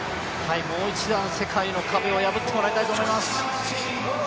もう一度、世界の壁を破ってもらいたいと思います。